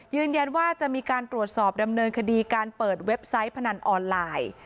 ยืนยันว่าจะมีการตรวจสอบดำเนินคดีการเปิดเว็บไซต์พนันออนไลน์